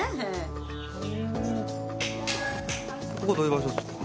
ここどういう場所っすか？